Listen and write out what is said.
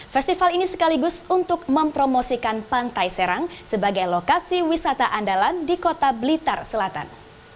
festival ini sekaligus untuk mempromosikan pantai serang sebagai lokasi wisata andalan di kota blitar selatan